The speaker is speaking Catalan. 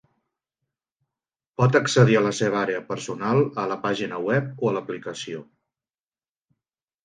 Pot accedir a la seva àrea personal a la pàgina web o a l'aplicació.